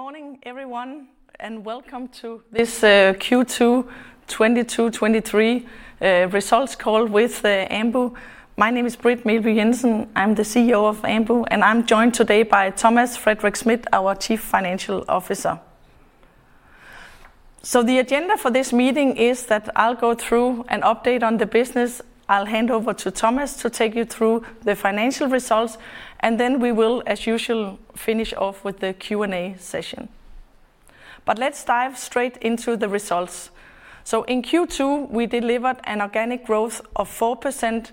Good morning everyone, and welcome to this Q2 2022-2023 results call with Ambu. My name is Britt Meelby Jensen; I'm the CEO of Ambu, and I'm joined today by Thomas Frederik Schmidt, our Chief Financial Officer. The agenda for this meeting is that I'll go through an update on the business. I'll hand over to Thomas to take you through the financial results, and then we will, as usual, finish off with the Q&A session. Let's dive straight into the results. In Q2, we delivered an organic growth of 4%,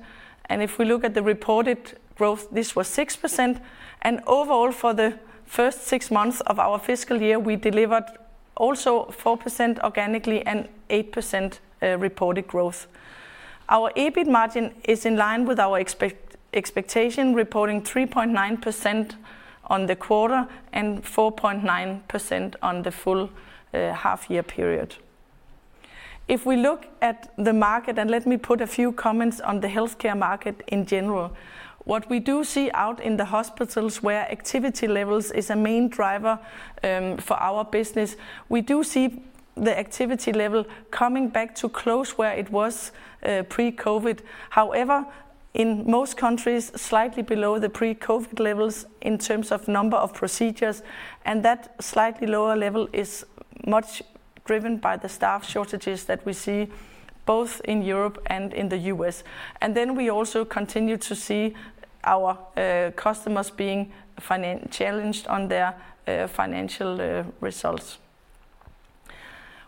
and if we look at the reported growth, this was 6%. Overall, for the first six months of our fiscal year, we delivered also 4% organically and 8% reported growth. Our EBIT margin is in line with our expectation, reporting 3.9% on the quarter and 4.9% on the full half-year period. If we look at the market, and let me put a few comments on the healthcare market in general, what we do see out in the hospitals where activity levels is a main driver for our business, we do see the activity level coming back to close to where it was pre-COVID. However, in most countries, slightly below the pre-COVID levels in terms of number of procedures. That slightly lower level is much driven by the staff shortages that we see both in Europe and in the U.S. Then we also continue to see our customers being challenged on their financial results.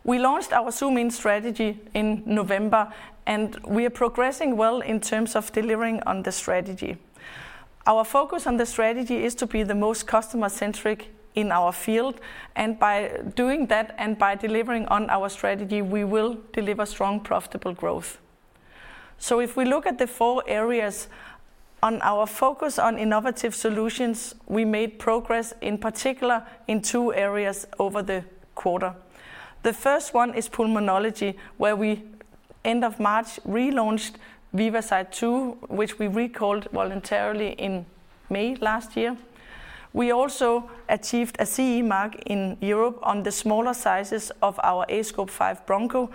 We launched our ZOOM IN strategy in November. We are progressing well in terms of delivering on the strategy. Our focus on the strategy is to be the most customer-centric in our field. By doing that and by delivering on our strategy, we will deliver strong, profitable growth. If we look at the four areas on our focus on innovative solutions, we made progress, in particular in two areas over the quarter. The first one is pulmonology, where we, end of March, relaunched VivaSight 2, which we recalled voluntarily in May last year. We also achieved a CE mark in Europe on the smaller sizes of our aScope 5 Broncho,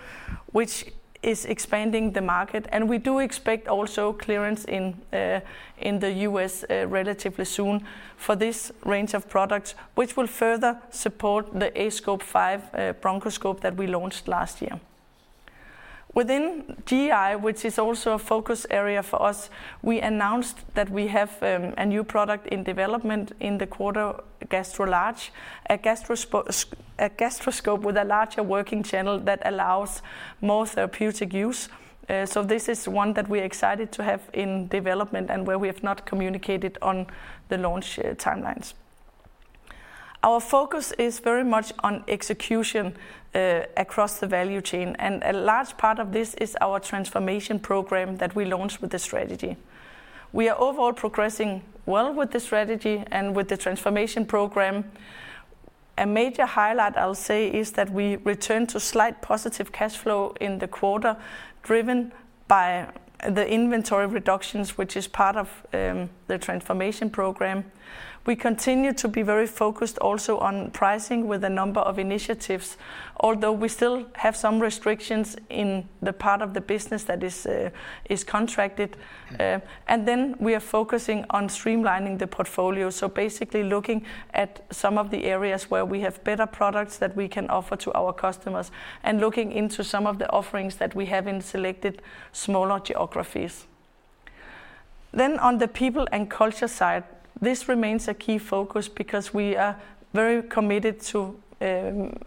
which is expanding the market. We do expect also clearance in the US relatively soon for this range of products, which will further support the aScope 5 Broncho that we launched last year. Within GI, which is also a focus area for us, we announced that we have a new product in development in the quarter, GastroLarge, a gastroscope with a larger working channel that allows more therapeutic use. This is one that we're excited to have in development and where we have not communicated on the launch timelines. Our focus is very much on execution across the value chain, a large part of this is our transformation program that we launched with the strategy. We are overall progressing well with the strategy and with the transformation program. A major highlight, I'll say, is that we return to slight positive cash flow in the quarter driven by the inventory reductions, which is part of the transformation program. We continue to be very focused also on pricing with a number of initiatives, although we still have some restrictions in the part of the business that is contracted. We are focusing on streamlining the portfolio, so basically looking at some of the areas where we have better products that we can offer to our customers and looking into some of the offerings that we have in selected smaller geographies. On the people and culture side, this remains a key focus because we are very committed to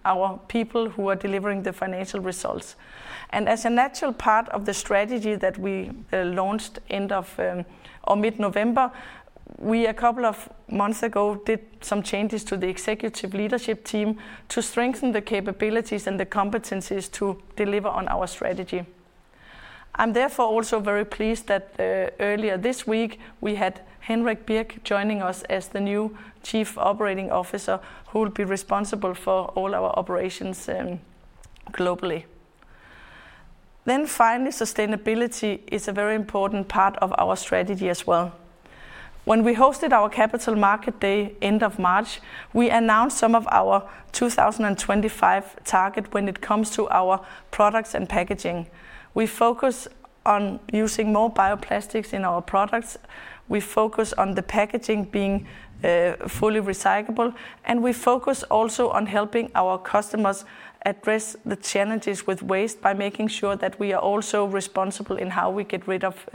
our people who are delivering the financial results. As a natural part of the strategy that we launched end of or mid-November, we a couple of months ago did some changes to the executive leadership team to strengthen the capabilities and the competencies to deliver on our strategy. I'm therefore also very pleased that earlier this week, we had Henrik Birch joining us as the new Chief Operating Officer who will be responsible for all our operations globally. Finally, sustainability is a very important part of our strategy as well. When we hosted our Capital Markets Day end of March, we announced some of our 2025 target when it comes to our products and packaging. We focus on using more bioplastics in our products. We focus on the packaging being fully recyclable, and we focus also on helping our customers address the challenges with waste by making sure that we are also responsible in how we get rid of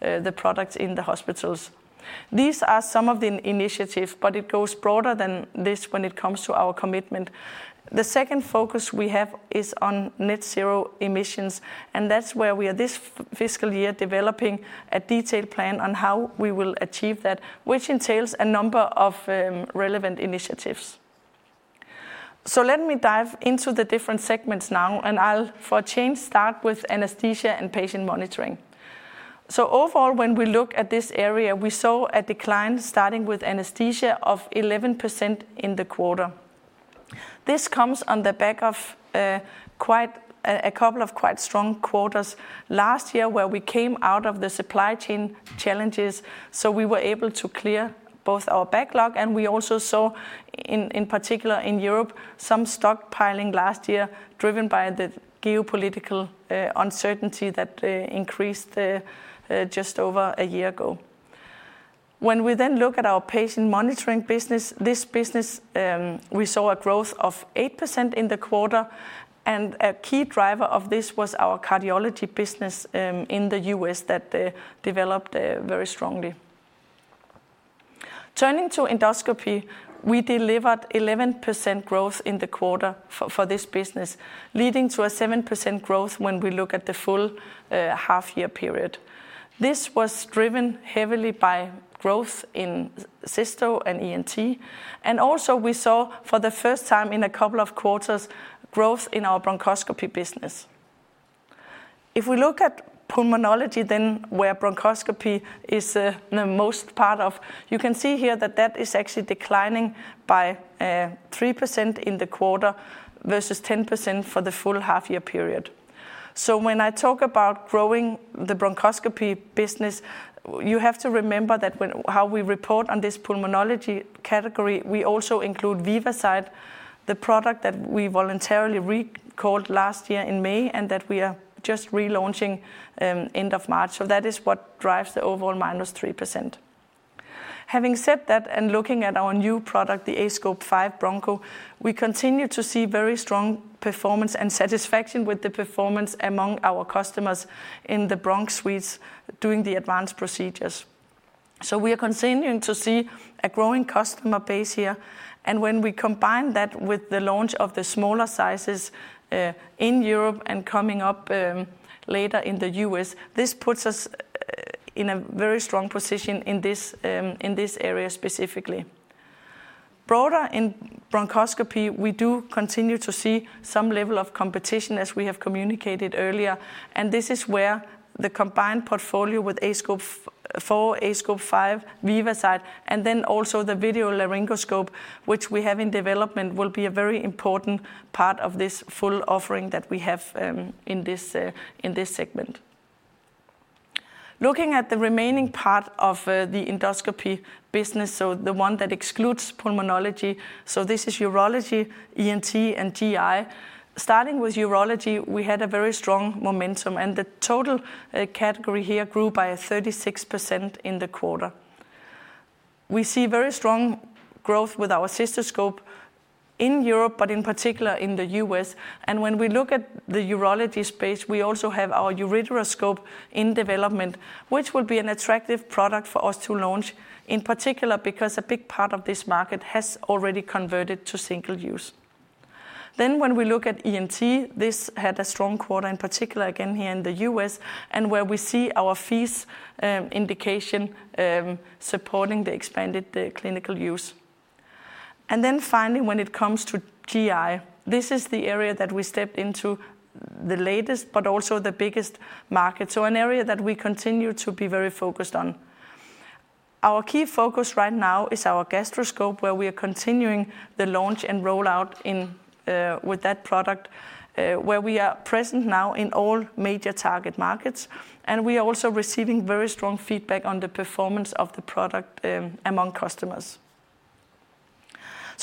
the products in the hospitals. These are some of the initiatives, but it goes broader than this when it comes to our commitment. The second focus we have is on net zero emissions. That's where we are this fiscal year developing a detailed plan on how we will achieve that, which entails a number of relevant initiatives. Let me dive into the different segments now, and I'll for a change start with anesthesia and patient monitoring. Overall, when we look at this area, we saw a decline starting with anesthesia of 11% in the quarter. This comes on the back of quite a couple of quite strong quarters last year where we came out of the supply chain challenges, so we were able to clear both our backlog and we also saw in particular, in Europe, some stockpiling last year driven by the geopolitical uncertainty that increased just over a year ago. We then look at our patient monitoring business, this business, we saw a growth of 8% in the quarter, and a key driver of this was our cardiology business in the U.S. that developed very strongly. Turning to Endoscopy, we delivered 11% growth in the quarter for this business, leading to a 7% growth when we look at the full half year period. This was driven heavily by growth in cysto and ENT, and also we saw for the first time in a couple of quarters, growth in our bronchoscopy business. If we look at pulmonology where bronchoscopy is the most part of, you can see here that that is actually declining by 3% in the quarter versus 10% for the full half year period. When I talk about growing the bronchoscopy business, you have to remember that how we report on this pulmonology category, we also include VivaSight, the product that we voluntarily recalled last year in May, and that we are just relaunching end of March, that is what drives the overall minus 3%. Having said that, and looking at our new product, the aScope 5 Broncho, we continue to see very strong performance and satisfaction with the performance among our customers in the bronch suites during the advanced procedures. We are continuing to see a growing customer base here, and when we combine that with the launch of the smaller sizes in Europe and coming up later in the U.S., this puts us in a very strong position in this area specifically. Broader in bronchoscopy, we do continue to see some level of competition as we have communicated earlier. This is where the combined portfolio with aScope 4 Broncho, aScope 5 Broncho, VivaSight, and then also the video laryngoscope, which we have in development, will be a very important part of this full offering that we have in this segment. Looking at the remaining part of the endoscopy business, so the one that excludes pulmonology, so this is urology, ENT, and GI. Starting with urology, we had a very strong momentum. The total category here grew by 36% in the quarter. We see very strong growth with our cystoscope in Europe, but in particular in the U.S., and when we look at the urology space, we also have our ureteroscope in development, which will be an attractive product for us to launch, in particular because a big part of this market has already converted to single-use. When we look at ENT, this had a strong quarter, in particular again here in the U.S., and where we see our FEES indication supporting the expanded clinical use. Finally, when it comes to G.I., this is the area that we stepped into the latest, but also the biggest market. An area that we continue to be very focused on. Our key focus right now is our gastroscope, where we are continuing the launch and rollout with that product, where we are present now in all major target markets. We are also receiving very strong feedback on the performance of the product among customers.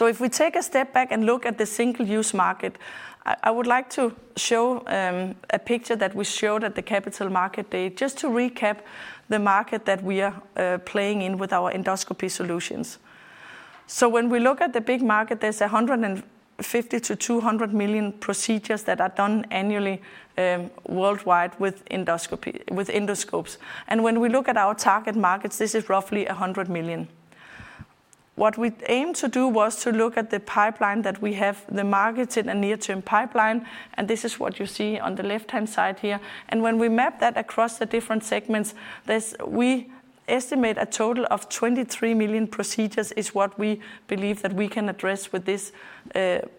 If we take a step back and look at the single-use market, I would like to show a picture that we showed at the Capital Markets Day just to recap the market that we are playing in with our endoscopy solutions. When we look at the big market, there's 150 to 200 million procedures that are done annually worldwide with endoscopy, with endoscopes. When we look at our target markets, this is roughly 100 million. What we aim to do was to look at the pipeline that we have, the markets in a near-term pipeline, and this is what you see on the left-hand side here. When we map that across the different segments, we estimate a total of 23 million procedures is what we believe that we can address with this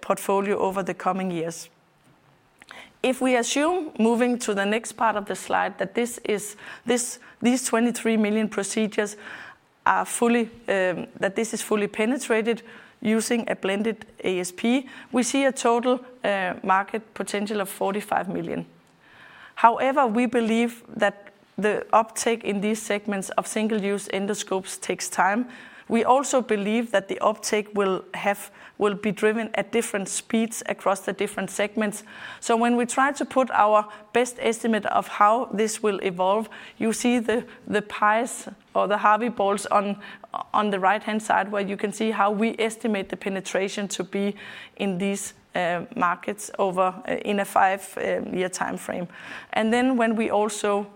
portfolio over the coming years. If we assume moving to the next part of the slide, that this is fully penetrated using a blended ASP, we see a total market potential of 45 million. However, we believe that the uptake in these segments of single-use endoscopes takes time. We also believe that the uptake will be driven at different speeds across the different segments. When we try to put our best estimate of how this will evolve, you see the pies or the Harvey balls on the right-hand side where you can see how we estimate the penetration to be in these markets over in a five-year timeframe. When we also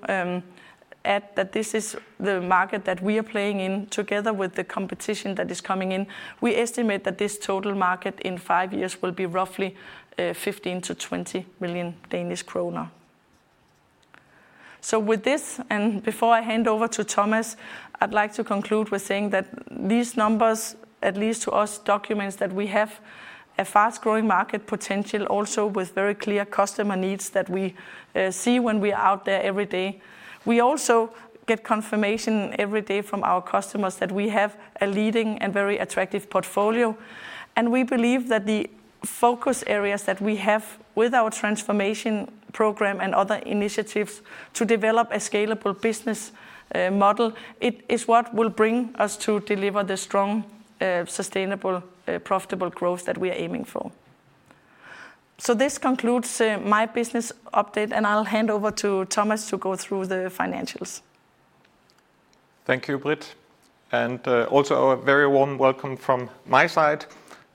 add that this is the market that we are playing in together with the competition that is coming in, we estimate that this total market in five years will be roughly 15 million-20 million Danish kroner. With this, and before I hand over to Thomas, I'd like to conclude with saying that these numbers, at least to us, documents that we have a fast-growing market potential also with very clear customer needs that we see when we are out there every day. We also get confirmation every day from our customers that we have a leading and very attractive portfolio. We believe that the focus areas that we have with our transformation program and other initiatives to develop a scalable business model, it is what will bring us to deliver the strong, sustainable, profitable growth that we are aiming for. This concludes my business update, and I'll hand over to Thomas to go through the financials. Thank you, Britt. Also a very warm welcome from my side.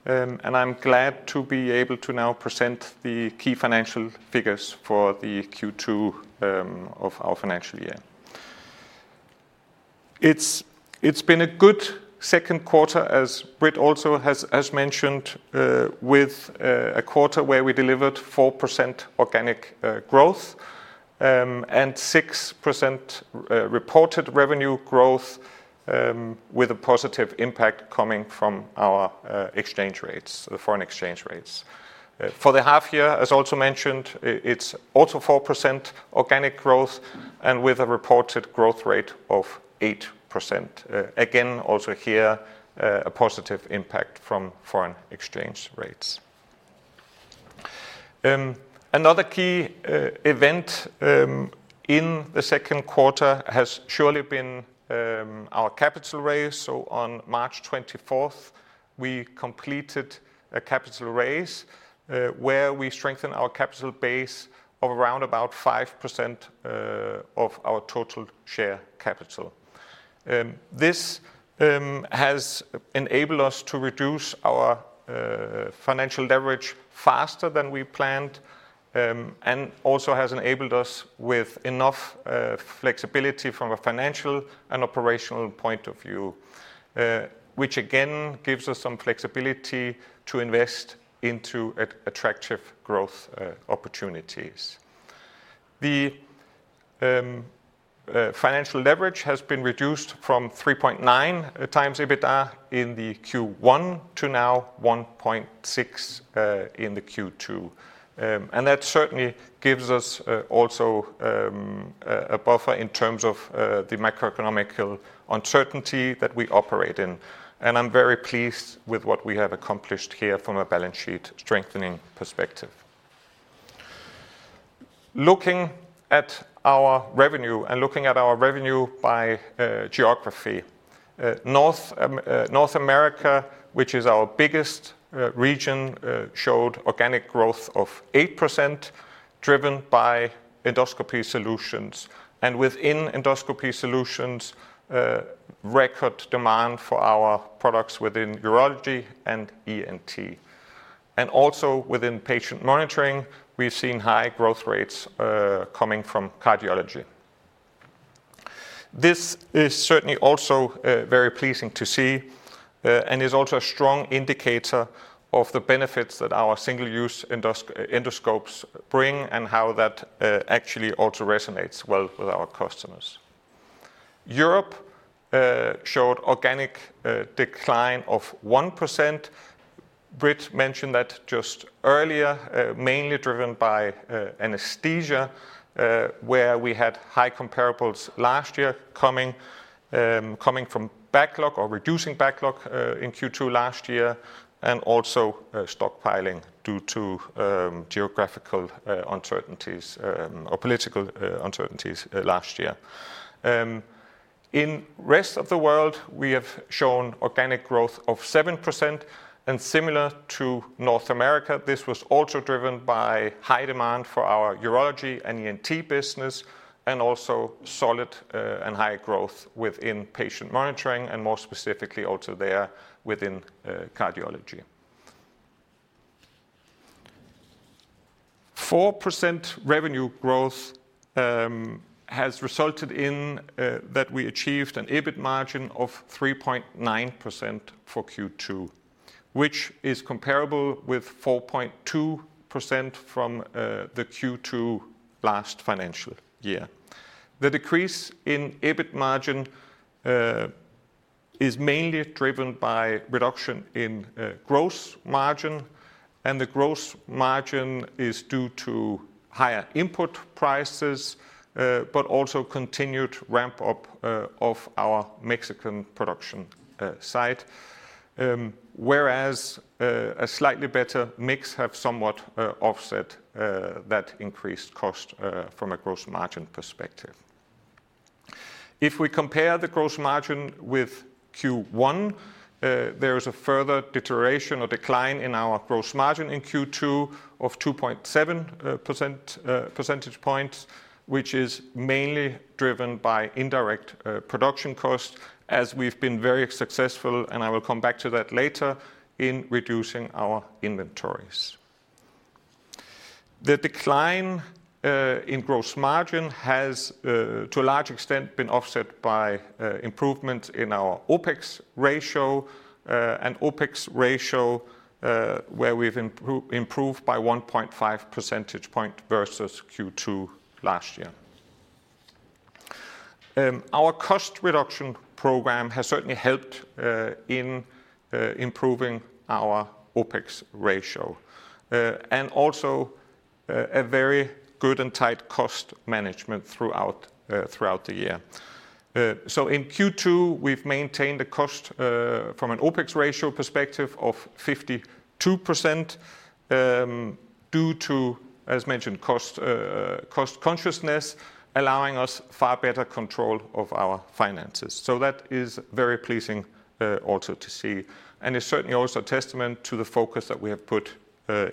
I'm glad to be able to now present the key financial figures for the Q2 of our financial year. It's been a good second quarter, as Britt also has mentioned, with a quarter where we delivered 4% organic growth and 6% reported revenue growth, with a positive impact coming from our exchange rates, the foreign exchange rates. For the half year, as also mentioned, it's also 4% organic growth with a reported growth rate of 8%. Again, also here, a positive impact from foreign exchange rates. Another key event in the second quarter has surely been our capital raise. On March 24th, we completed a capital raise, where we strengthened our capital base of around about 5% of our total share capital. This has enabled us to reduce our financial leverage faster than we planned, and also has enabled us with enough flexibility from a financial and operational point of view, which again gives us some flexibility to invest into attractive growth opportunities. The financial leverage has been reduced from 3.9 times EBITDA in the Q1 to now 1.6 in the Q2. That certainly gives us also a buffer in terms of the macroeconomic uncertainty that we operate in. I'm very pleased with what we have accomplished here from a balance sheet strengthening perspective. Looking at our revenue and looking at our revenue by geography. North America, which is our biggest region, showed organic growth of 8% driven by endoscopy solutions. Within endoscopy solutions, record demand for our products within urology and ENT. Also within patient monitoring, we've seen high growth rates coming from cardiology. This is certainly also very pleasing to see, and is also a strong indicator of the benefits that our single-use endoscopes bring and how that actually also resonates well with our customers. Europe, showed organic decline of 1%. Britt mentioned that just earlier, mainly driven by anesthesia, where we had high comparables last year coming from backlog or reducing backlog in Q2 last year, and also stockpiling due to geographical uncertainties, or political uncertainties last year. In rest of the world, we have shown organic growth of 7% and similar to North America, this was also driven by high demand for our urology and ENT business and also solid and high growth within patient monitoring and more specifically also there within cardiology. 4% revenue growth has resulted in that we achieved an EBIT margin of 3.9% for Q2, which is comparable with 4.2% from the Q2 last financial year. The decrease in EBIT margin is mainly driven by reduction in gross margin, and the gross margin is due to higher input prices, but also continued ramp up of our Mexican production site. Whereas a slightly better mix have somewhat offset that increased cost from a gross margin perspective. If we compare the gross margin with Q1, there is a further deterioration or decline in our gross margin in Q2 of 2.7 percentage points, which is mainly driven by indirect production costs, as we've been very successful, and I will come back to that later, in reducing our inventories. The decline in gross margin has to a large extent been offset by improvement in our OpEx ratio, an OpEx ratio, where we've improved by 1.5% point versus Q2 last year. Our cost reduction program has certainly helped in improving our OpEx ratio. Also a very good and tight cost management throughout the year. In Q2, we've maintained a cost from an OpEx ratio perspective of 52%, due to, as mentioned, cost consciousness, allowing us far better control of our finances. That is very pleasing also to see, and is certainly also a testament to the focus that we have put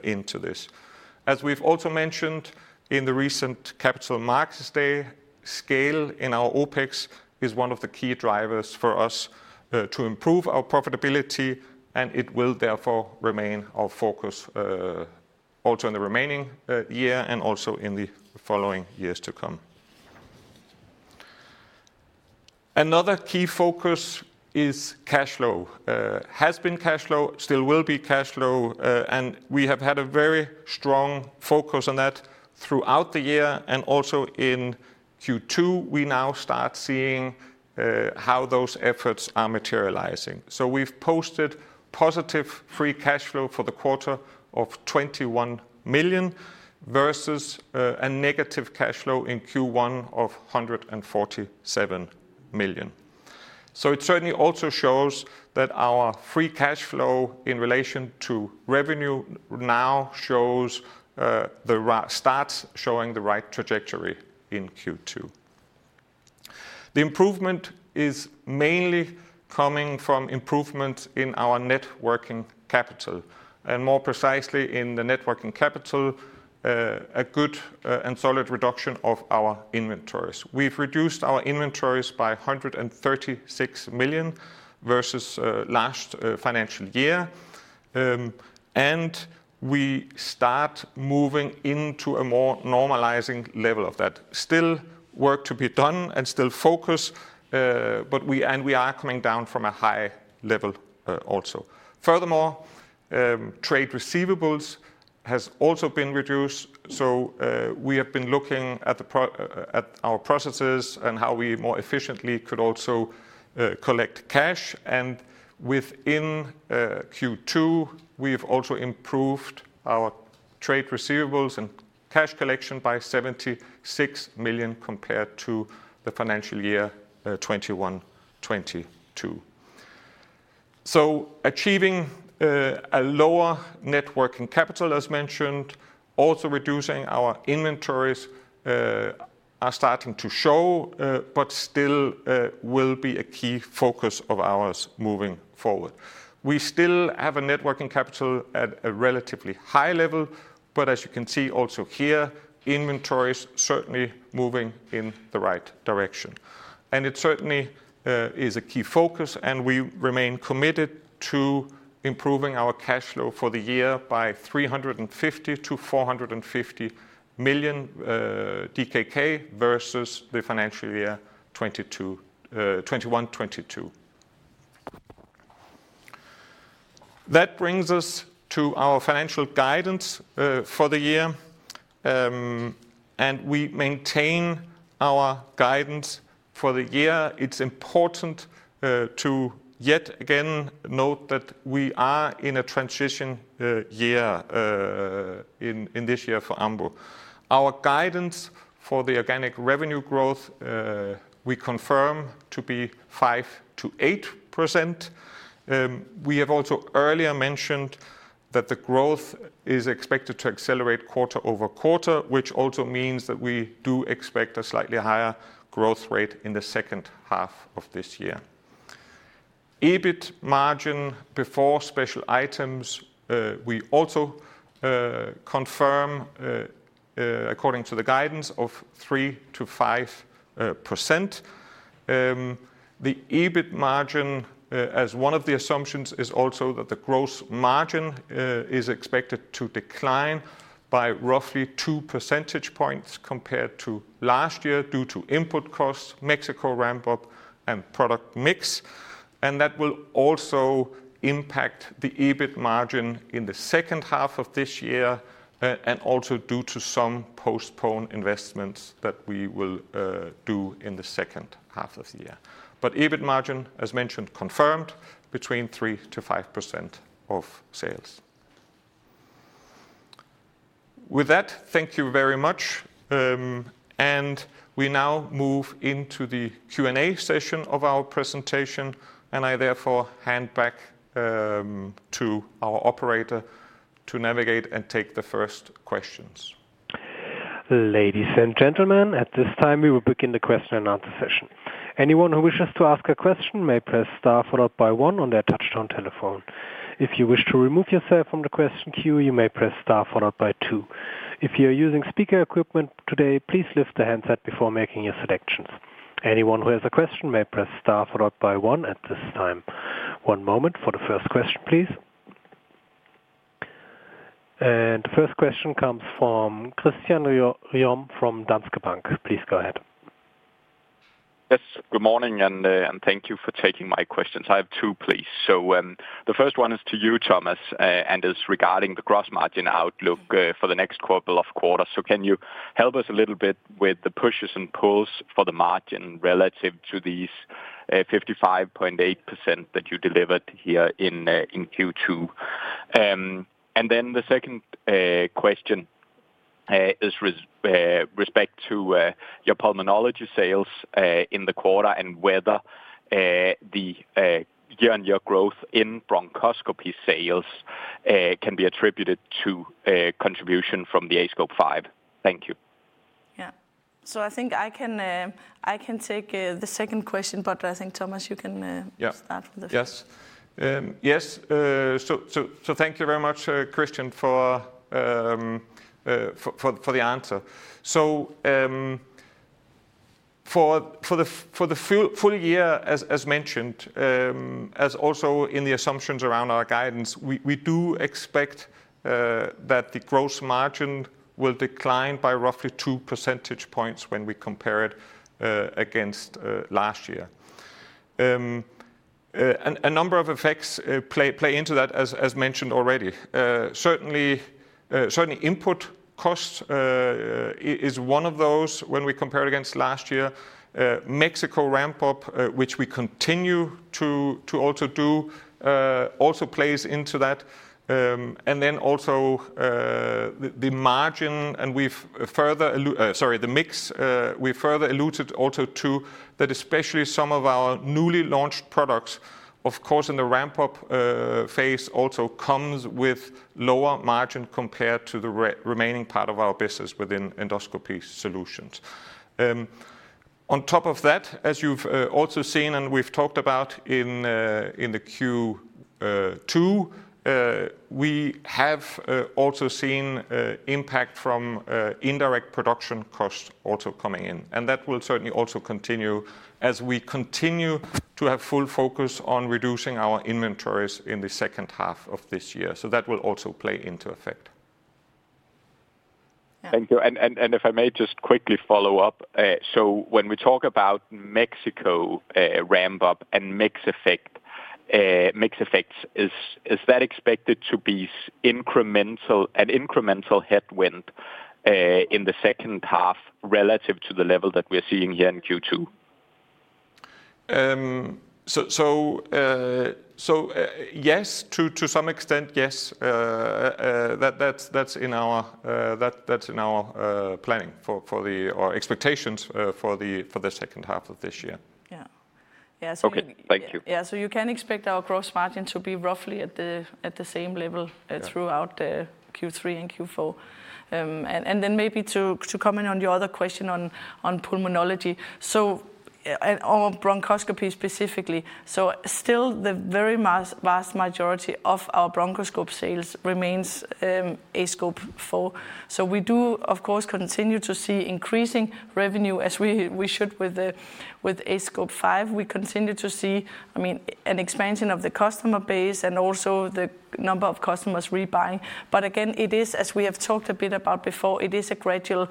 into this. We've also mentioned in the recent Capital Markets Day, scale in our OpEx is one of the key drivers for us to improve our profitability, and it will therefore remain our focus also in the remaining year and also in the following years to come. Another key focus is cash flow. Has been cash flow, still will be cash flow, and we have had a very strong focus on that throughout the year and also in Q2, we now start seeing how those efforts are materializing. We've posted positive free cash flow for the quarter of 21 million versus a negative cash flow in Q1 of 147 million. It certainly also shows that our free cash flow in relation to revenue now shows the right trajectory in Q2. The improvement is mainly coming from improvement in our net working capital, and more precisely in the net working capital, a good and solid reduction of our inventories. We've reduced our inventories by 136 million versus last financial year. We start moving into a more normalizing level of that. Still work to be done and still focus. We are coming down from a high level also. Furthermore, trade receivables has also been reduced, so we have been looking at our processes and how we more efficiently could also collect cash. Within Q2, we've also improved our trade receivables and cash collection by 76 million compared to the financial year 2021-2022. Achieving a lower net working capital, as mentioned, also reducing our inventories, are starting to show, but still will be a key focus of ours moving forward. We still have a net working capital at a relatively high level, but as you can see also here, inventories certainly moving in the right direction. It certainly is a key focus, and we remain committed to improving our cash flow for the year by 350 million-450 million DKK versus the financial year 2022, 2021-2022. That brings us to our financial guidance for the year. We maintain our guidance for the year. It's important to yet again note that we are in a transition year in this year for Ambu. Our guidance for the organic revenue growth, we confirm to be 5%-8%. We have also earlier mentioned that the growth is expected to accelerate quarter-over-quarter, which also means that we do expect a slightly higher growth rate in the second half of this year. EBIT margin before special items, we also confirm according to the guidance of 3% - 5%. The EBIT margin, as one of the assumptions, is also that the gross margin is expected to decline by roughly 2% points compared to last year due to input costs, Mexico ramp-up and product mix. That will also impact the EBIT margin in the second half of this year, and also due to some postponed investments that we will do in the second half of the year. But EBIT margin, as mentioned, confirmed between 3% - 5% of sales. With that, thank you very much. We now move into the Q&A session of our presentation, and I therefore hand back to our operator to navigate and take the first questions. Ladies and gentlemen, at this time, we will begin the question and answer session. Anyone who wishes to ask a question may press star followed by one on their touchtone telephone. If you wish to remove yourself from the question queue, you may press star followed by two. If you're using speaker equipment today, please lift the handset before making your selections. Anyone who has a question may press star followed by one at this time. One moment for the first question, please. The first question comes from Christian Ryom from Danske Bank. Please go ahead. Good morning and thank you for taking my questions. I have two, please. The first one is to you, Thomas, and is regarding the gross margin outlook for the next couple of quarters. Can you help us a little bit with the pushes and pulls for the margin relative to these 55.8% that you delivered here in Q2? Then the second question is respect to your pulmonology sales in the quarter and whether the year-on-year growth in bronchoscopy sales can be attributed to a contribution from the aScope 5 Broncho. Thank you. Yeah. I think I can, I can take, the second question, but I think, Thomas. Yeah start with the first. Yes. Yes. Thank you very much, Christian for the answer. For the full year as mentioned, as also in the assumptions around our guidance, we do expect that the gross margin will decline by roughly 2% points when we compare it against last year. A number of effects play into that as mentioned already. Certainly input costs is one of those when we compare against last year. Mexico ramp-up, which we continue to also do, also plays into that. Then also, the margin and we've further, sorry, the mix, we further alluded also to that especially some of our newly launched products, of course in the ramp-up phase also comes with lower margin compared to the remaining part of our business within endoscopy solutions. On top of that, as you've also seen and we've talked about in the Q2, we have also seen impact from indirect production costs also coming in. That will certainly also continue as we continue to have full focus on reducing our inventories in the second half of this year. That will also play into effect. Yeah. Thank you. If I may just quickly follow up. When we talk about Mexico, ramp-up and mix effect, mix effects, is that expected to be an incremental headwind in the second half relative to the level that we're seeing here in Q2? Yes. To some extent, yes. That's in our, that's in our, planning or expectations, for the, for the second half of this year. Yeah. Okay. Thank you. Yeah, you can expect our gross margin to be roughly at the same level. Yeah ...throughout the Q3 and Q4. Maybe to comment on your other question on pulmonology. On bronchoscopy specifically. Still the very vast majority of our bronchoscope sales remains aScope 4. We do, of course, continue to see increasing revenue as we should with the aScope 5. We continue to see, I mean, an expansion of the customer base and also the number of customers rebuying. Again, it is, as we have talked a bit about before, it is a gradual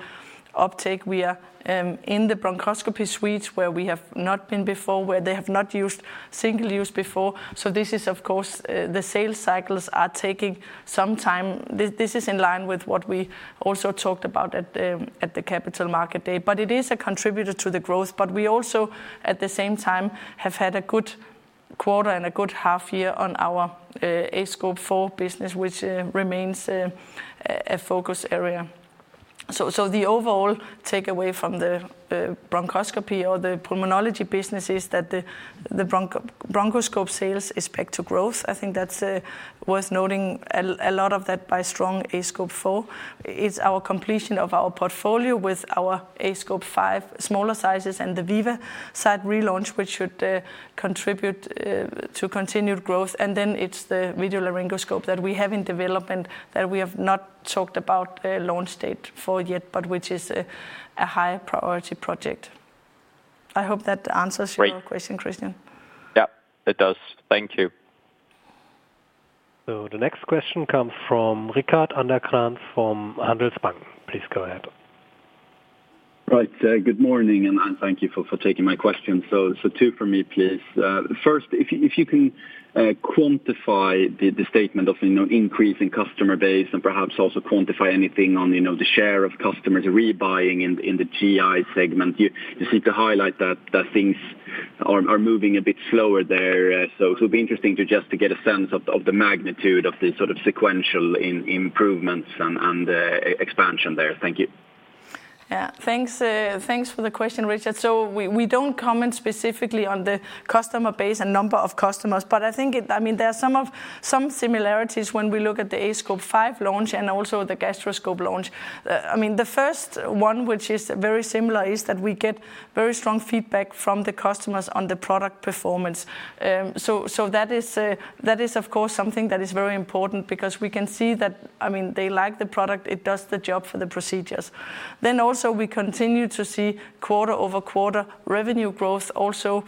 uptake. We are in the bronchoscopy suites where we have not been before, where they have not used single use before. This is of course, the sales cycles are taking some time. This is in line with what we also talked about at the Capital Markets Day. It is a contributor to the growth, but we also at the same time have had a good quarter and a good half year on our aScope 4 Broncho business, which remains a focus area. The overall takeaway from the bronchoscopy or the pulmonology business is that the bronchoscope sales is back to growth. I think that's worth noting. A lot of that by strong aScope 4 Broncho is our completion of our portfolio with our aScope 5 Broncho smaller sizes and the VivaSight relaunch, which should contribute to continued growth. Then it's the video laryngoscope that we have in development that we have not talked about a launch date for yet, but which is a high priority project. I hope that answers your. Great ...question, Christian. Yeah, it does. Thank you. The next question comes from Rickard Anderkrans from Handelsbanken. Please go ahead. Right. Good morning, and thank you for taking my question. Two for me, please. First, if you can quantify the statement of, you know, increase in customer base and perhaps also quantify anything on, you know, the share of customers rebuying in the GI segment. You seem to highlight that things are moving a bit slower there. It would be interesting to just to get a sense of the magnitude of the sort of sequential improvements and expansion there. Thank you. Thanks, thanks for the question, Rickard. We don't comment specifically on the customer base and number of customers. I mean, there are some similarities when we look at the aScope 5 launch and also the gastroscope launch. I mean, the first one, which is very similar, is that we get very strong feedback from the customers on the product performance. So that is, of course, something that is very important because we can see that, I mean, they like the product, it does the job for the procedures. Also we continue to see quarter-over-quarter revenue growth also,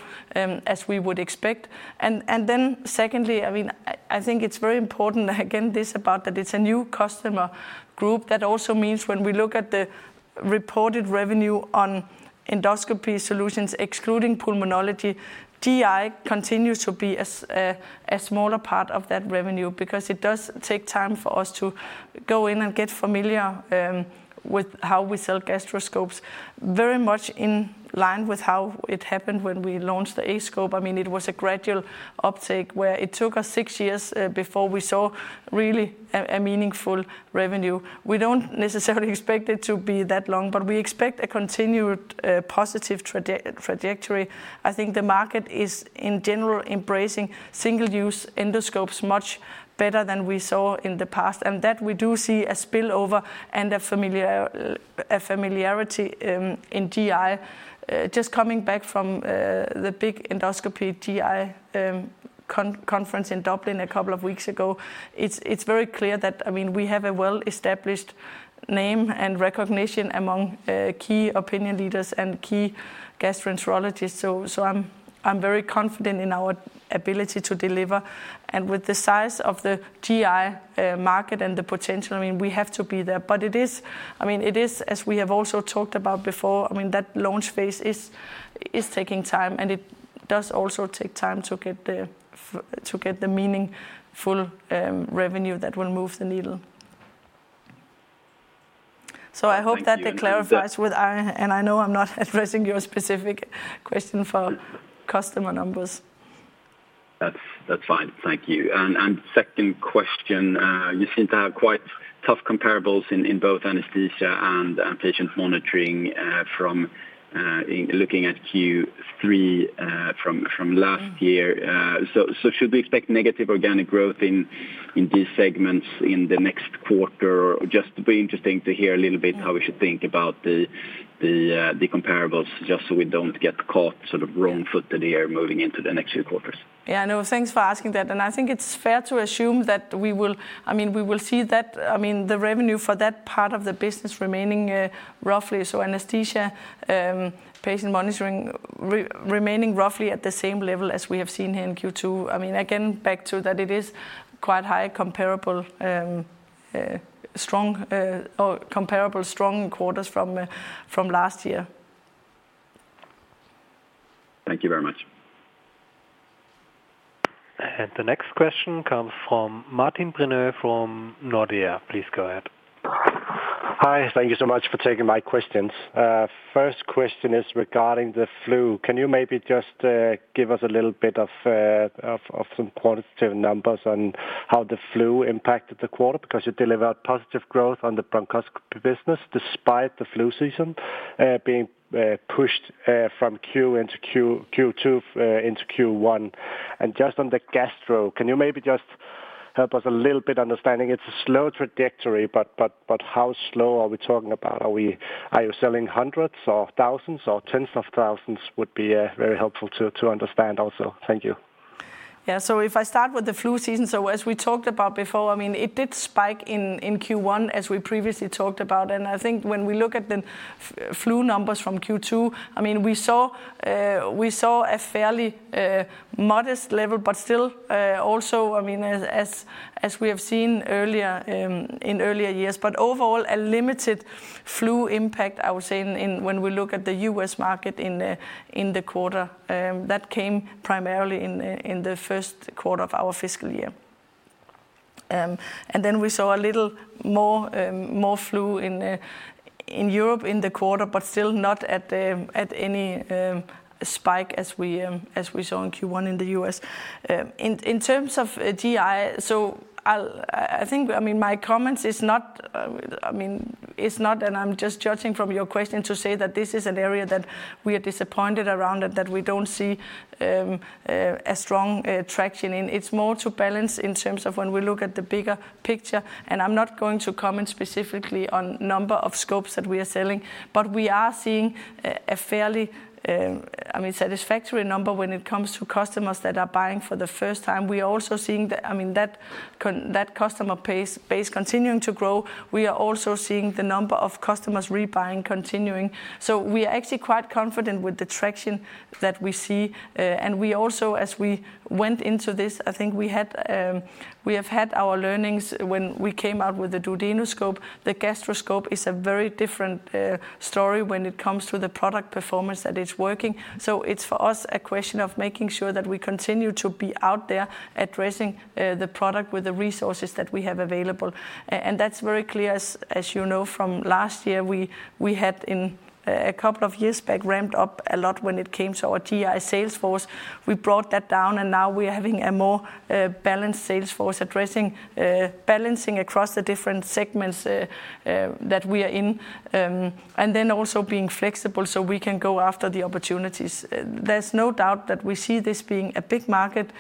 as we would expect. Then secondly, I mean, I think it's very important again this about that it's a new customer group that also means when we look at the reported revenue on endoscopy solutions excluding pulmonology, GI continues to be as a smaller part of that revenue because it does take time for us to go in and get familiar with how we sell gastroscopes, very much in line with how it happened when we launched the aScope. I mean, it was a gradual uptake where it took us six years before we saw really a meaningful revenue. We don't necessarily expect it to be that long, but we expect a continued positive trajectory. I think the market is in general embracing single-use endoscopes much better than we saw in the past, and that we do see a spillover and a familiarity in GI. Just coming back from the big endoscopy GI conference in Dublin a couple of weeks ago, it's very clear that, I mean, we have a well-established name and recognition among key opinion leaders and key gastroenterologists. I'm very confident in our ability to deliver. With the size of the GI market and the potential, I mean, we have to be there. It is, I mean, it is, as we have also talked about before, I mean, that launch phase is taking time, and it does also take time to get the meaningful revenue that will move the needle. I hope that that clarifies with our. I know I'm not addressing your specific question for customer numbers. That's fine. Thank you. Second question, you seem to have quite tough comparables in both anesthesia and patient monitoring from in looking at Q3 from last year. Mm-hmm. Should we expect negative organic growth in these segments in the next quarter? Just be interesting to hear a little bit how we should think about the comparables, just so we don't get caught sort of wrong foot there moving into the next few quarters. Yeah, no, thanks for asking that. I think it's fair to assume that I mean, we will see that, I mean, the revenue for that part of the business remaining roughly. Anesthesia, patient monitoring remaining roughly at the same level as we have seen here in Q2. I mean, again, back to that it is quite high comparable, strong, or comparable strong quarters from last year. Thank you very much. The next question comes from Martin Brenøe from Nordea. Please go ahead. Hi. Thank you so much for taking my questions. First question is regarding the flu. Can you maybe just give us a little bit of some quantitative numbers on how the flu impacted the quarter? Because you delivered positive growth on the bronchoscopy business despite the flu season, being pushed from Q into Q two, into Q one. Just on the gastro, can you maybe just help us a little bit understanding it's a slow trajectory, but how slow are we talking about? Are you selling hundreds or thousands or tens of thousands would be very helpful to understand also. Thank you. Yeah. If I start with the flu season, as we talked about before, I mean, it did spike in Q1 as we previously talked about. I think when we look at the flu numbers from Q2, I mean, we saw a fairly modest level, but still also, I mean, as we have seen earlier, in earlier years. Overall a limited flu impact, I would say in when we look at the US Market in the quarter, that came primarily in the first quarter of our fiscal year. Then we saw a little more flu in Europe in the quarter, but still not at any spike as we saw in Q1 in the U.S. In terms of GI, I think, I mean, my comments is not, I mean, it's not, and I'm just judging from your question to say that this is an area that we are disappointed around and that we don't see a strong traction in. It's more to balance in terms of when we look at the bigger picture, and I'm not going to comment specifically on number of scopes that we are selling. We are seeing a fairly, I mean, satisfactory number when it comes to customers that are buying for the first time. We are also seeing the, I mean, that customer pace-base continuing to grow. We are also seeing the number of customers rebuying continuing. We are actually quite confident with the traction that we see. We also, as we went into this, I think we had, we have had our learnings when we came out with the duodenoscope. The gastroscope is a very different story when it comes to the product performance that is working. It's for us a question of making sure that we continue to be out there addressing the product with the resources that we have available. That's very clear as you know from last year, we had in a couple of years back ramped up a lot when it came to our GI sales force. We brought that down, and now we're having a more balanced sales force addressing balancing across the different segments that we are in. Then also being flexible so we can go after the opportunities. There's no doubt that we see this being a big market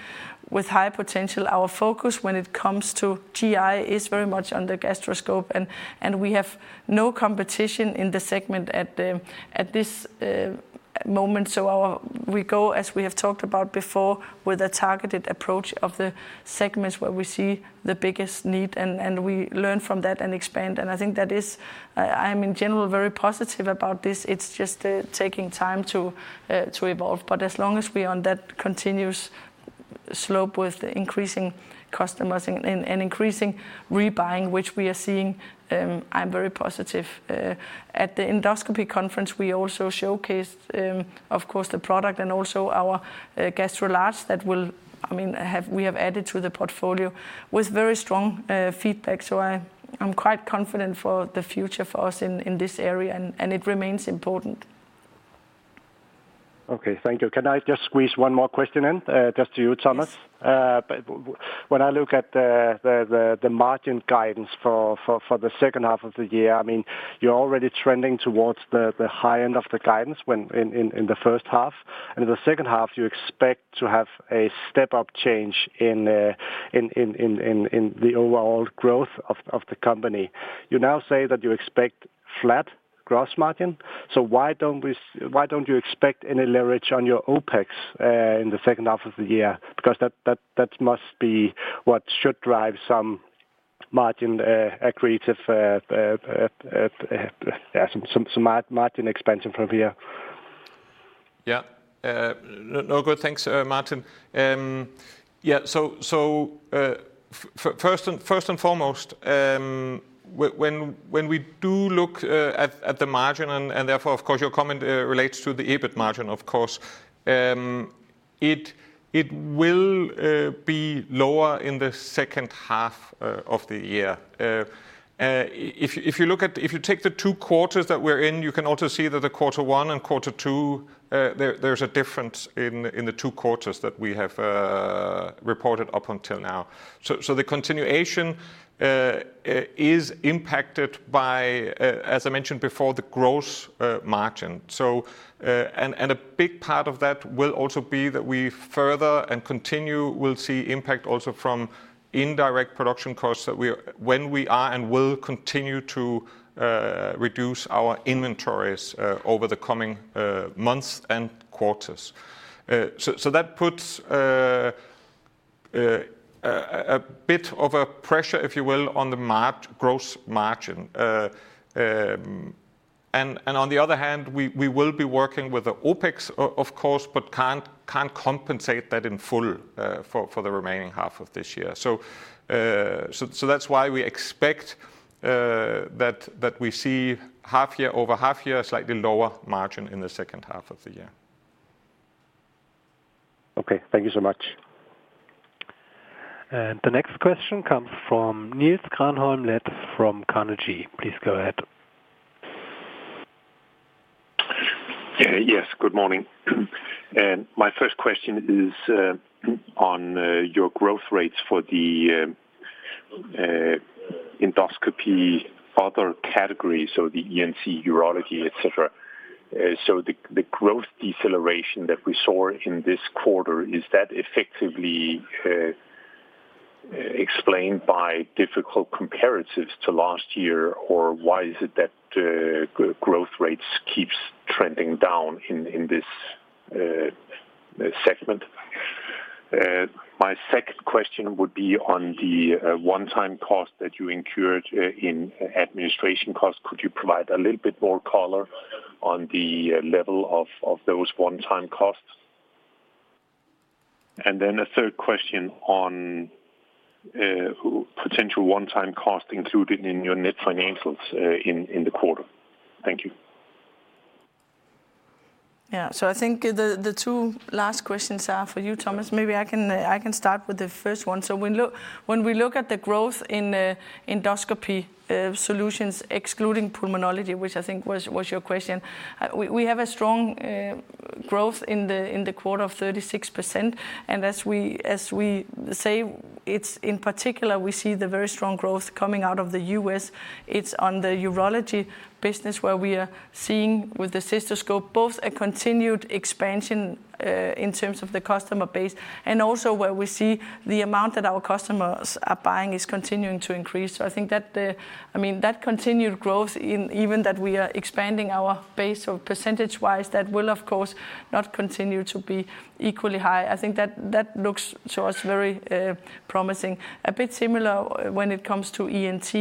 with high potential. Our focus when it comes to GI is very much on the gastroscope, and we have no competition in the segment at this moment. We go, as we have talked about before, with a targeted approach of the segments where we see the biggest need, and we learn from that and expand. I think that is. I'm in general very positive about this. It's just taking time to evolve. As long as we're on that continuous slope with increasing customers and increasing rebuying, which we are seeing, I'm very positive. At the endoscopy conference, we also showcased, of course, the product and also our GastroLarge that I mean, we have added to the portfolio, with very strong feedback. I'm quite confident for the future for us in this area, and it remains important. Okay. Thank you. Can I just squeeze one more question in, just to you, Thomas? Yes. When I look at the margin guidance for the second half of the year, I mean, you're already trending towards the high end of the guidance when in the first half and in the second half you expect to have a step up change in the overall growth of the company. You now say that you expect flat gross margin, so why don't you expect any leverage on your OpEx in the second half of the year? Because that must be what should drive some margin, accretive, yeah, some margin expansion from here. No good. Thanks, Martin. First and foremost, when we do look at the margin, and therefore of course your comment relates to the EBIT margin of course, it will be lower in the second half of the year. If you take the two quarters that we're in, you can also see that quarter one and quarter two, there's a difference in the two quarters that we have reported up until now. The continuation is impacted by, as I mentioned before, the gross margin. A big part of that will also be that we further and continue, we'll see impact also from indirect production costs that we when we are and will continue to reduce our inventories over the coming months and quarters. That puts a bit of a pressure, if you will, on the gross margin. On the other hand, we will be working with the OpEx of course, but can't compensate that in full for the remaining half of this year. That's why we expect that we see half year over half year a slightly lower margin in the second half of the year. Okay. Thank you so much. The next question comes from Niels Granholm-Leth from Carnegie. Please go ahead. Yeah. Yes, good morning. My first question is on your growth rates for the endoscopy other categories, so the ENT, urology, et cetera. The growth deceleration that we saw in this quarter, is that effectively explained by difficult comparatives to last year, or why is it that growth rates keeps trending down in this segment? My second question would be on the one-time cost that you incurred in administration costs. Could you provide a little bit more color on the level of those one-time costs? A third question on potential one-time cost included in your net financials in the quarter. Thank you. I think the two last questions are for you, Thomas. Maybe I can start with the first one. When we look at the growth in endoscopy solutions excluding pulmonology, which I think was your question, we have a strong growth in the quarter of 36%. As we say, it's in particular, we see the very strong growth coming out of the U.S. It's on the urology business where we are seeing with the cystoscope both a continued expansion in terms of the customer base, and also where we see the amount that our customers are buying is continuing to increase. I think that, I mean, that continued growth in even that we are expanding our base or percentage wise, that will of course not continue to be equally high. I think that looks to us very promising. A bit similar when it comes to ENT.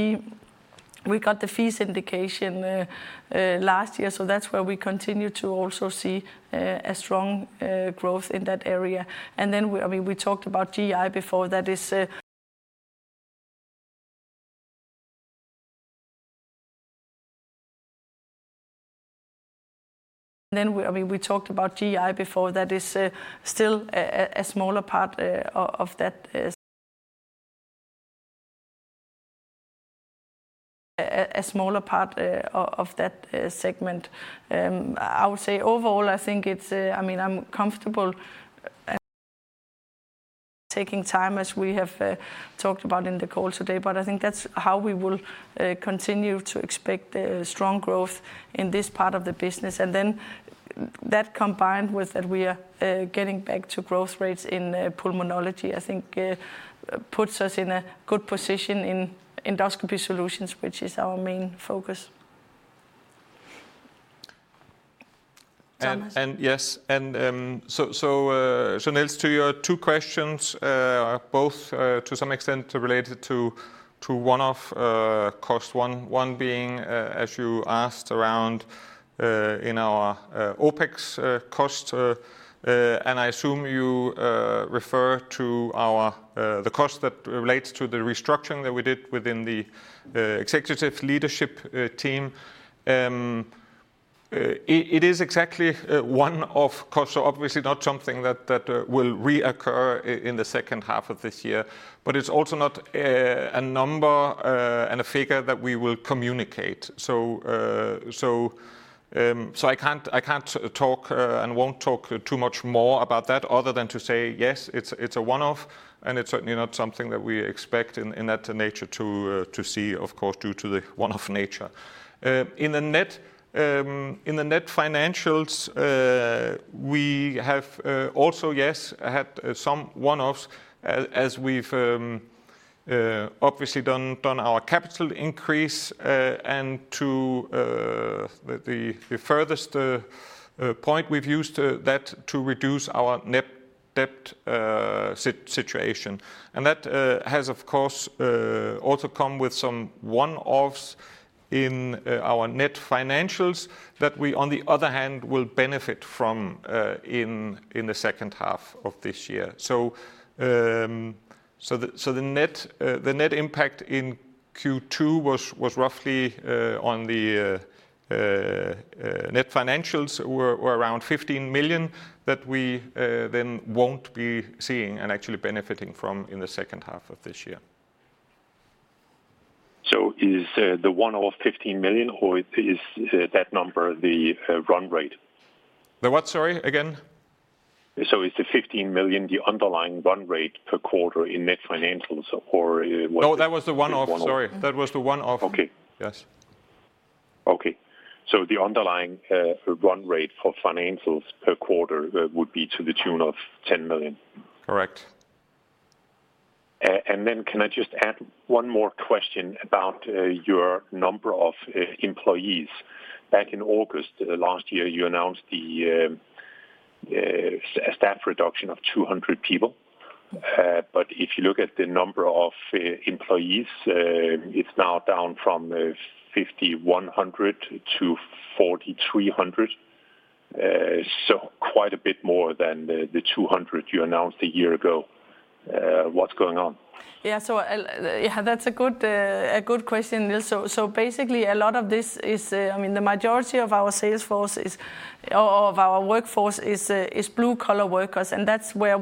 We got the FEES indication last year, that's where we continue to also see a strong growth in that area. I mean, we talked about GI before, that is still a smaller part of that segment. I would say overall, I think it's, I mean, I'm comfortable and taking time as we have talked about in the call today. I think that's how we will continue to expect the strong growth in this part of the business. That combined with that we are getting back to growth rates in pulmonology, I think, puts us in a good position in endoscopy solutions, which is our main focus. Thomas? Yes. So Niels, to your two questions, both to some extent related to one-off cost one. One being, as you asked around, in our OpEx cost. I assume you refer to our the cost that relates to the restructuring that we did within the executive leadership team. It is exactly one-off cost, so obviously not something that will reoccur in the second half of this year. It's also not a number and a figure that we will communicate. I can't talk and won't talk too much more about that other than to say, yes, it's a one-off, and it's certainly not something that we expect in that nature to see, of course, due to the one-off nature. In the net financials, we have also, yes, had some one-offs as we've obviously done our capital increase. To the furthest point we've used that to reduce our net debt sit-situation. That has of course also come with some one-offs in our net financials that we on the other hand will benefit from in the second half of this year. The net impact in Q2 was roughly on the net financials were around 15 million that we then won't be seeing and actually benefiting from in the second half of this year. Is the one-off 15 million or is that number the run rate? The what? Sorry, again. Is the 15 million the underlying run rate per quarter in net financials or what? No, that was the one-off. It's one-off. Sorry. That was the one-off. Okay. Yes. Okay. The underlying run rate for financials per quarter would be to the tune of 10 million? Correct. Can I just add one more question about your number of employees. Back in August last year, you announced a staff reduction of 200 people. If you look at the number of employees, it's now down from 5,100 - 4,300. Quite a bit more than the 200 you announced a year ago. What's going on? Yeah, so, yeah, that's a good, a good question, Niels. Basically a lot of this is, I mean, the majority of our sales force is... or of our workforce is blue collar workers, and that's where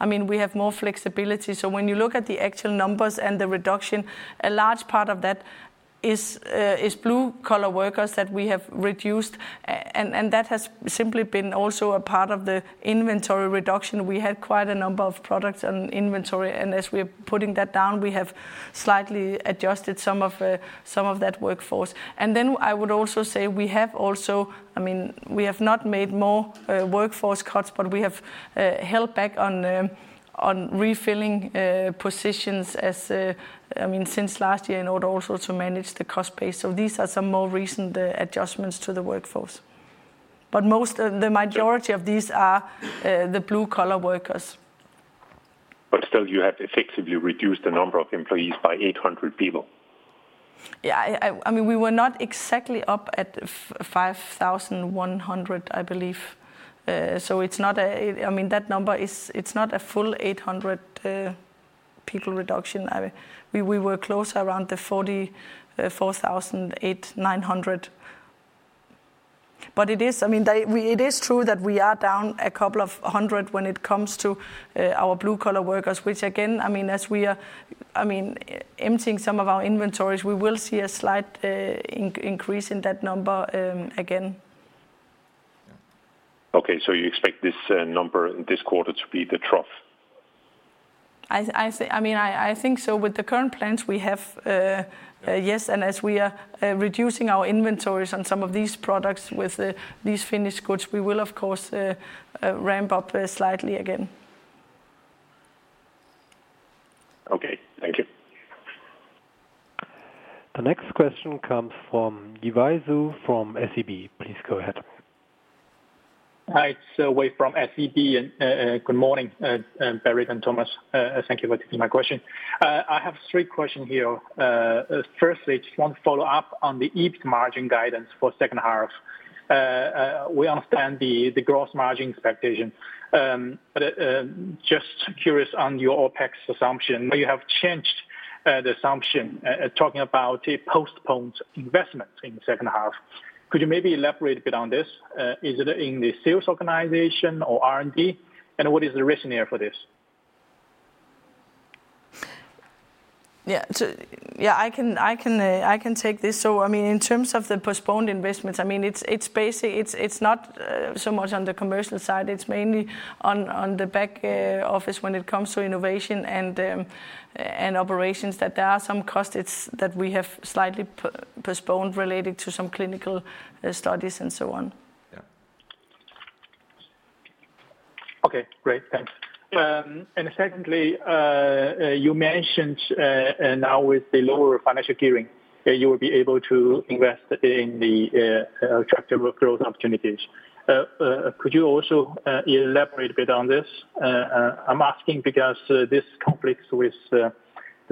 I mean, we have more flexibility. When you look at the actual numbers and the reduction, a large part of that is blue collar workers that we have reduced. And that has simply been also a part of the inventory reduction. We had quite a number of products and inventory, and as we're putting that down, we have slightly adjusted some of, some of that workforce. I would also say we have also... I mean, we have not made more workforce cuts, but we have held back on refilling positions as, I mean, since last year in order also to manage the cost base. These are some more recent adjustments to the workforce. Most of the majority of these are the blue collar workers. Still, you have effectively reduced the number of employees by 800 people. Yeah, I mean, we were not exactly up at 5,100, I believe. It's not a... I mean, that number is, it's not a full 800 people reduction. We were close around the 4,800-900. It is... I mean, it is true that we are down a couple of hundred when it comes to our blue collar workers, which again, I mean, as we are, I mean, emptying some of our inventories, we will see a slight increase in that number again. Okay. You expect this number this quarter to be the trough? I mean, I think so. With the current plans we have. Yeah. Yes. As we are reducing our inventories on some of these products with these finished goods, we will of course ramp up slightly again. Okay. Thank you. The next question comes from Yiwei Zhou from SEB. Please go ahead. Hi, it's Wei from SEB. Good morning, Britt and Thomas. Thank you for taking my question. I have three question here. Firstly, just want to follow up on the EBIT margin guidance for second half. We understand the gross margin expectation. Just curious on your OpEx assumption. You have changed the assumption, talking about a postponed investment in the second half. Could you maybe elaborate a bit on this? Is it in the sales organization or R&D? What is the rationale for this? Yeah. I can take this. I mean, in terms of the postponed investments, I mean, it's basically... it's not so much on the commercial side, it's mainly on the back office when it comes to innovation and operations that there are some costs that we have slightly postponed related to some clinical studies and so on. Yeah. Okay. Great. Thanks. Secondly, you mentioned now with the lower financial gearing that you will be able to invest in the attractive growth opportunities. Could you also elaborate a bit on this? I'm asking because this conflicts with the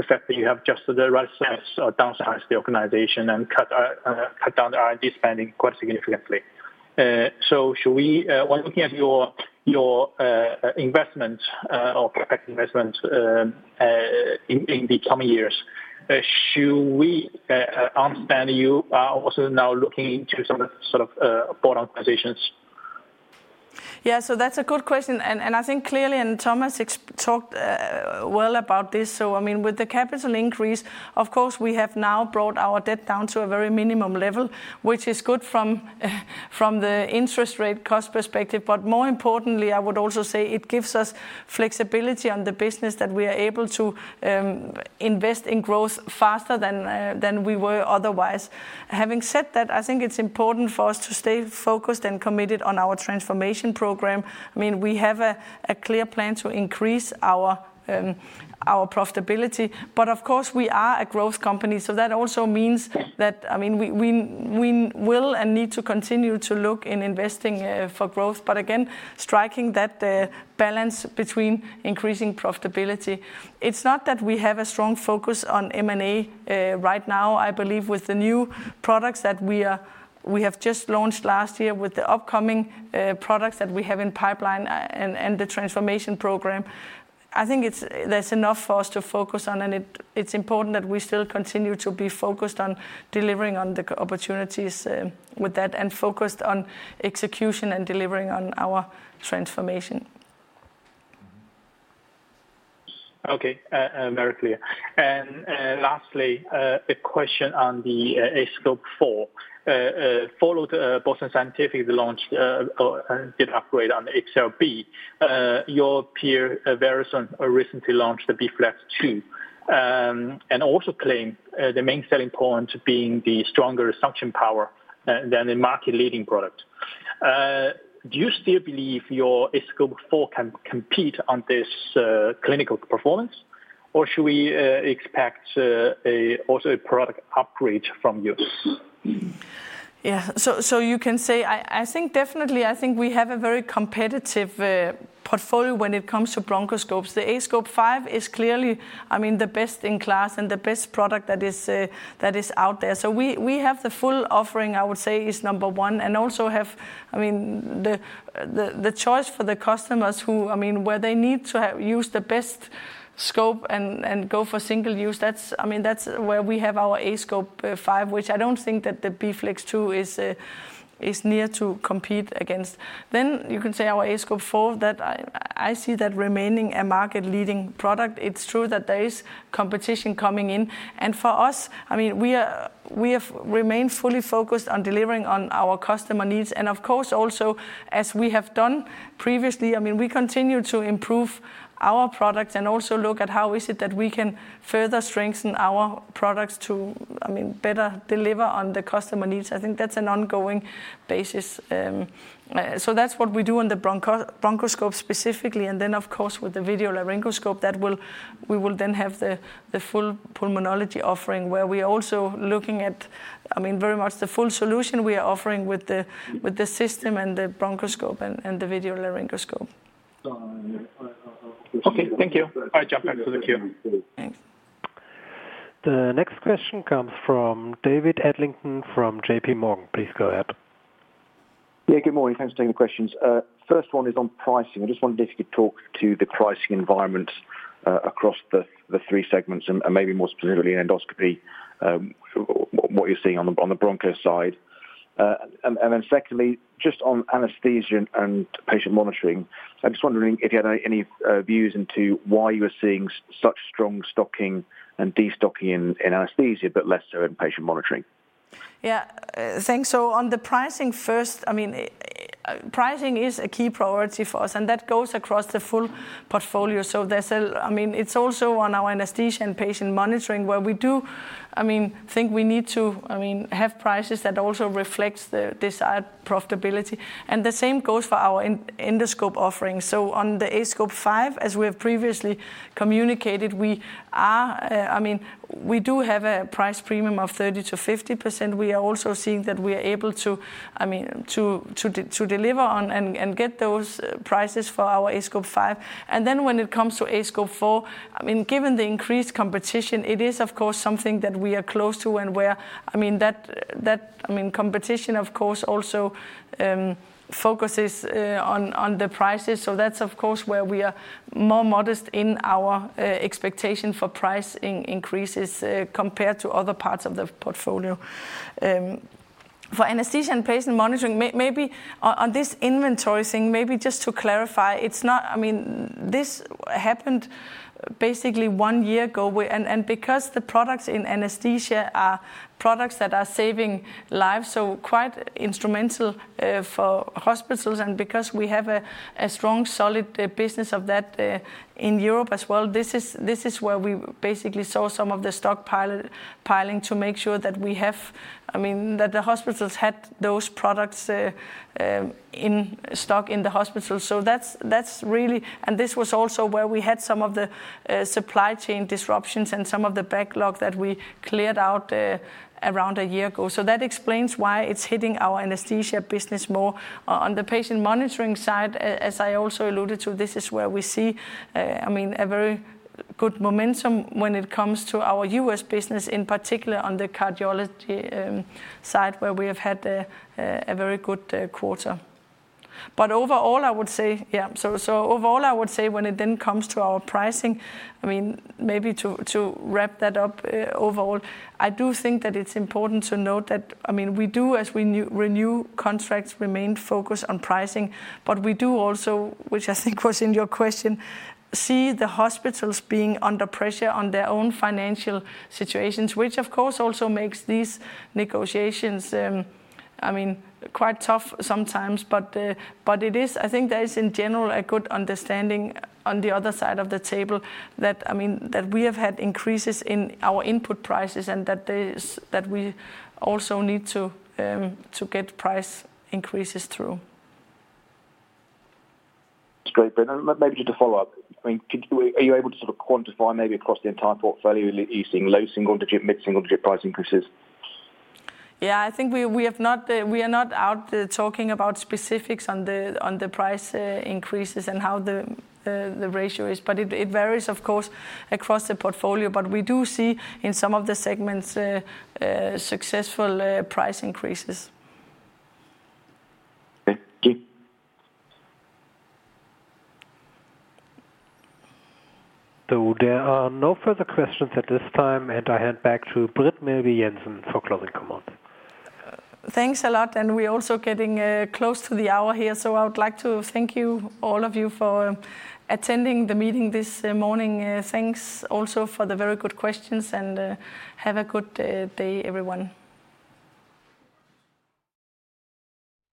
fact that you have just the right size or downsized the organization and cut down the R&D spending quite significantly. Should we when looking at your investment, or expected investment, in the coming years, should we understand you are also now looking into some sort of board organizations? That's a good question, and I think clearly, and Thomas talked well about this. I mean, with the capital increase, of course, we have now brought our debt down to a very minimum level, which is good from the interest rate cost perspective. More importantly, I would also say it gives us flexibility on the business that we are able to invest in growth faster than we were otherwise. Having said that, I think it's important for us to stay focused and committed on our transformation program. I mean, we have a clear plan to increase our profitability. Of course, we are a growth company, so that also means that, I mean, we will and need to continue to look in investing for growth. Again, striking that balance between increasing profitability. It's not that we have a strong focus on M&A right now. I believe with the new products that we have just launched last year with the upcoming products that we have in pipeline and the transformation program, I think there's enough for us to focus on and it's important that we still continue to be focused on delivering on the opportunities with that, and focused on execution and delivering on our transformation. Okay, very clear. Lastly, a question on the aScope 4. Followed Boston Scientific launch or did upgrade on the XLB. Your peer, Verathon, recently launched the Bflex 2, and also claim the main selling point being the stronger suction power than the market leading product. Do you still believe your aScope 4 can compete on this clinical performance, or should we expect also a product upgrade from you? You can say, I think definitely, I think we have a very competitive portfolio when it comes to bronchoscope. The aScope Five is clearly, I mean, the best in class and the best product that is out there. We have the full offering, I would say is number one, and also have, I mean, the choice for the customers who, I mean, where they need to have use the best scope and go for single use. That's, I mean, that's where we have our aScope Five, which I don't think that the Bflex 2 is near to compete against. You can say our aScope Four that I see that remaining a market leading product. It's true that there is competition coming in. For us, I mean, we have remained fully focused on delivering on our customer needs. Of course, also, as we have done previously, I mean, we continue to improve our products and also look at how is it that we can further strengthen our products to, I mean, better deliver on the customer needs. I think that's an ongoing basis. That's what we do on the bronchoscope specifically. Of course, with the video laryngoscope that we will then have the full pulmonology offering where we're also looking at, I mean, very much the full solution we are offering with the system and the bronchoscope and the video laryngoscope. Okay. Thank you. I jump back to the queue. The next question comes from David Adlington from JPMorgan. Please go ahead. Good morning. Thanks for taking the questions. First one is on pricing. I just wondered if you could talk to the pricing environment across the three segments and maybe more specifically in endoscopy, what you're seeing on the broncho side. And then secondly, just on anesthesia and patient monitoring. I'm just wondering if you had any views into why you are seeing such strong stocking and destocking in anesthesia, but lesser in patient monitoring. Yeah. Thanks. On the pricing first, I mean, pricing is a key priority for us, and that goes across the full portfolio. I mean, it's also on our anesthesia and patient monitoring where we do, I mean, think we need to, I mean, have prices that also reflects the desired profitability. The same goes for our endoscope offerings. On the aScope 5, as we have previously communicated, I mean, we do have a price premium of 30%-50%. We are also seeing that we are able to, I mean, to deliver on and get those prices for our aScope 5. When it comes to aScope 4, I mean, given the increased competition, it is of course something that we are close to and where, I mean, competition of course also focuses on the prices. That's of course where we are more modest in our expectation for price increases compared to other parts of the portfolio. For anesthesia and patient monitoring, maybe on this inventory thing, maybe just to clarify, it's not... I mean, this happened basically one year ago where... Because the products in anesthesia are products that are saving lives, so quite instrumental for hospitals, and because we have a strong, solid business of that in Europe as well, this is where we basically saw some of the stockpiling to make sure that the hospitals had those products in stock in the hospital. That's really. This was also where we had some of the supply chain disruptions and some of the backlog that we cleared out around a year ago. That explains why it's hitting our anesthesia business more. On the patient monitoring side, as I also alluded to, this is where we see, I mean, a very good momentum when it comes to our US Business, in particular on the cardiology side, where we have had a very good quarter. Overall, I would say when it then comes to our pricing, I mean, maybe to wrap that up overall, I do think that it's important to note that, I mean, we do, as we renew contracts, remain focused on pricing, but we do also, which I think was in your question, see the hospitals being under pressure on their own financial situations, which of course also makes these negotiations, I mean, quite tough sometimes. It is... I think there is in general a good understanding on the other side of the table that, I mean, that we have had increases in our input prices and that we also need to get price increases through. Great. maybe just a follow-up. I mean, are you able to sort of quantify maybe across the entire portfolio, are you seeing low single digit, mid-single digit price increases? I think we are not out talking about specifics on the price, increases and how the ratio is, but it varies of course across the portfolio. We do see in some of the segments, successful, price increases. Okay. There are no further questions at this time, and I hand back to Britt Meelby Jensen for closing comments. Thanks a lot. We're also getting close to the hour here, so I would like to thank you, all of you, for attending the meeting this morning. Thanks also for the very good questions, and have a good day everyone.